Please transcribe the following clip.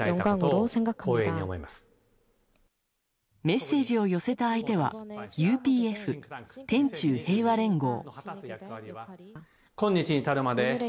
メッセージを寄せた相手はＵＰＦ・天宙平和連合。